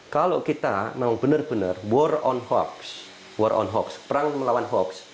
kalau kita memang benar benar war on hoax perang melawan hoax